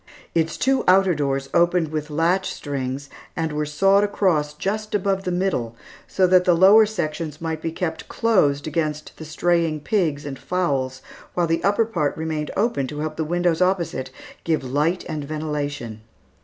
Its two outer doors opened with latch strings and were sawed across just above the middle, so that the lower sections might be kept closed against the straying pigs and fowls, while the upper part remained open to help the windows opposite give light and ventilation.